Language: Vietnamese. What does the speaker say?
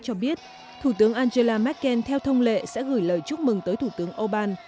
cho biết thủ tướng angela merkel theo thông lệ sẽ gửi lời chúc mừng tới thủ tướng orbán